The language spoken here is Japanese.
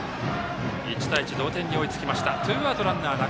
１対１同点に追いつきました。